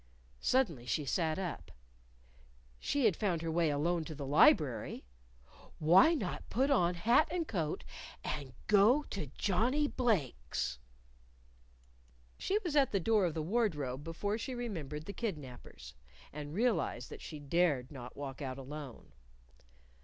Suddenly she sat up. She had found her way alone to the library. Why not put on hat and coat and go to Johnnie Blake's? She was at the door of the wardrobe before she remembered the kidnapers, and realized that she dared not walk out alone.